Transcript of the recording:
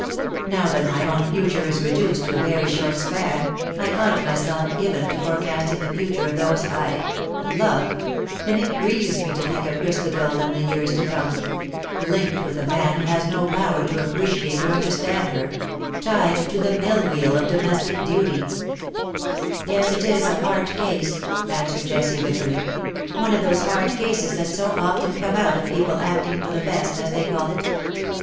Now that my own future is reduced to a very short THAT THE DAY WILL END." 239 span I find myself given to forecasting the future of those I love — and it grieves me to think of Christabel in the years to come — linked with a man who has no power to appreciate or understand her— tied to the mill wheel of domestic duty/^ " Yes, it is a hard case/^ answered Jessie, bitterly, ^^one of those hard cases that so often come out of people acting for the best, as they call it.